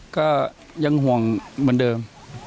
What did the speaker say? ก็ยังห่วงเหมือนเดิม